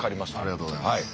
ありがとうございます。